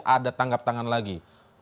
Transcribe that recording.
ada tangkap tangan lagi